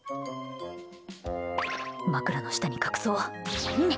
枕の下に隠そう。